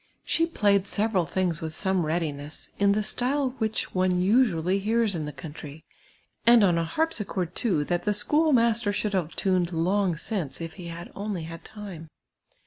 She i)layed several things with some readiness, in the style which (me usually henrs in the country, and on a har})sich(»rd, too, that the schoolmaster should have tuned long since, if he had only had time.